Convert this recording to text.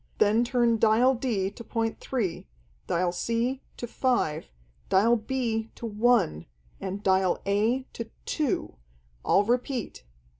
Then turn Dial D to point 3, Dial C to 5, Dial B to 1, and Dial A to 2. I'll repeat....